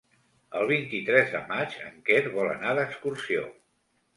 El vint-i-tres de maig en Quer vol anar d'excursió.